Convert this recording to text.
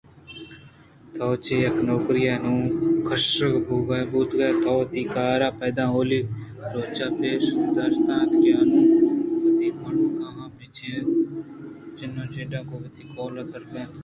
توچہ اے نوکری ءَ انوں کّشگ بوتگئے تو وتی کار پد اولی روچ ءَ پیش داشت اَنت کہ انو ں وتی بنُڈکاں بہ چن ءُچداں چہ گوں وتی کہول ءَ در بیا